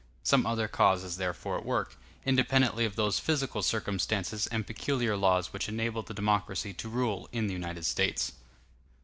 Some other cause is therefore at work, independently of those physical circumstances and peculiar laws which enable the democracy to rule in the United States.